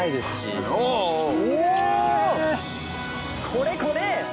これこれ！